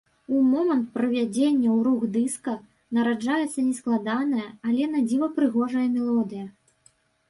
У момант прывядзення ў рух дыска, нараджаецца нескладаная, але на дзіва прыгожая мелодыя.